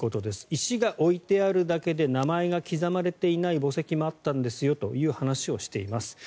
石が置いてあるだけで名前が刻まれていない墓石もあったんですよという話をしています。